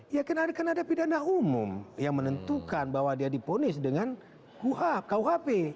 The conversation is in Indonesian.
ya karena ada pidana umum yang menentukan bahwa dia diponis dengan kuhp